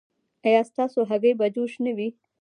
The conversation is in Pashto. ایا ستاسو هګۍ به جوش نه وي؟